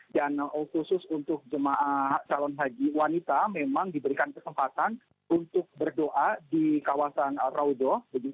dan khusus untuk jemaah calon haji wanita memang diberikan kesempatan untuk berdoa di kawasan raudo